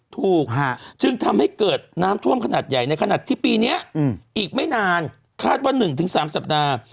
ถูกจึงทำให้เกิดน้ำท่วมขนาดใหญ่ในขณะที่ปีนี้อีกไม่นานคาดว่า๑๓สัปดาห์